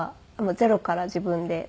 ゼロから自分で。